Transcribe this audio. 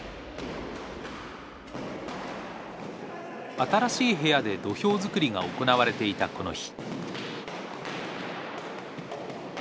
新しい部屋で土俵作りが行われていたこの日。